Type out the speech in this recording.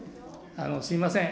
すみません。